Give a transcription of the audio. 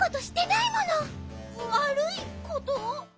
わるいこと？